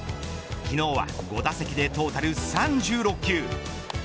昨日は５打席でトータル３６球。